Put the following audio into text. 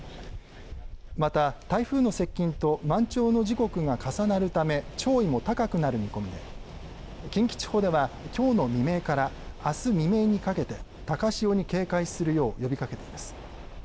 また台風の接近と満潮の時刻が重なるため、潮位も高くなる見込みで近畿地方ではきょうの未明からあす未明にかけて高潮に警戒するよう呼びかけています。